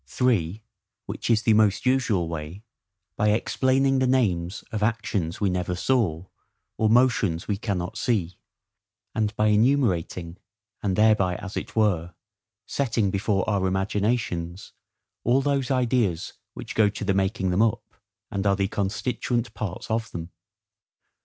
(3) Which is the most usual way, by EXPLAINING THE NAMES of actions we never saw, or motions we cannot see; and by enumerating, and thereby, as it were, setting before our imaginations all those ideas which go to the making them up, and are the constituent parts of them.